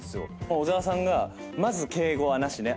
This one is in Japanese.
小澤さんが「まず敬語はなしね」